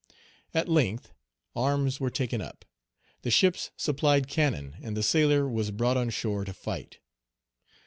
At length, arms were taken up. The ships supplied cannon, and the sailor was brought on shore to fight.